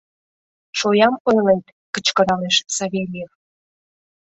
— Шоям ойлет! — кычкыралеш Савельев.